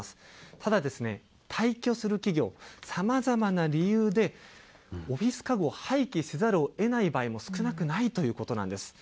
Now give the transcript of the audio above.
ただ、退去する企業、さまざまな理由で、オフィス家具を廃棄せざるをえない場合も少なくないということなんです。